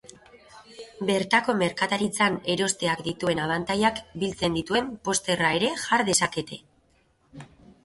Bertako merkataritzan erosteak dituen abantailak biltzen dituen posterra ere jar dezakete.